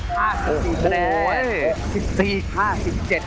๕๔คะแนนโอ้โฮย